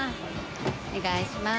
お願いします。